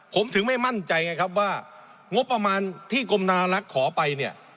ผมถึงไม่มั่นใจไงครับว่างบประมาณที่กรมธนารักษ์ขอไปเนี่ย